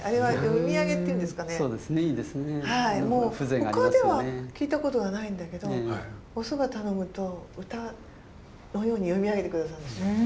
他では聞いたことがないんだけどお蕎麦頼むと歌のように読み上げて下さるんですよね。